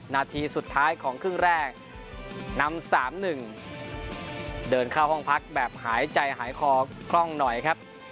นาทีสุดท้ายของครึ่งแรกนำ๓๑เดินเข้าห้องพักแบบหายใจหายคอคล่องหน่อยครับ